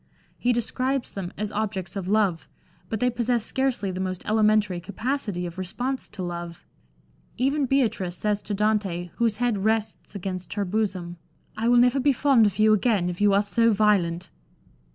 He describes them as objects of love, but they possess scarcely the most elementary capacity of response to love. Even Beatrice says to Dante, whose head rests against her bosom, " I will never be fond of you again, if b X LANDOR. you are so violent."